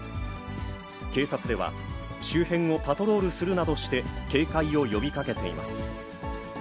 警察では、周辺をパトロールするなどして、警戒を呼びかけています。